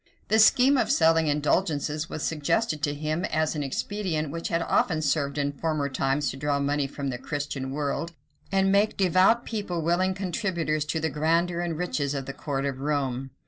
The scheme of selling indulgences was suggested to him, as an expedient which had often served in former times to draw money from the Christian world, and make devout people willing contributors to the grandeur and riches of the court of Rome.